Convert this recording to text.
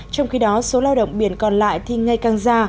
trong khi đó số lao động biển còn lại thì ngay càng xa